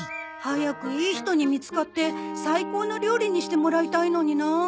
早くいい人に見つかって最高の料理にしてもらいたいのになあ。